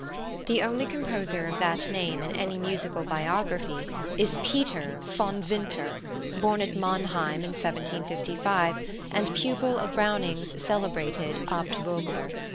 The only composer of that name in any musical biography is Peter von Winter, born at Mannheim in 1755, and pupil of Browning's celebrated Abt Vogler.